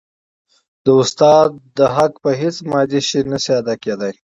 د استاد د حق په هيڅ مادي شي نسي ادا کيدای.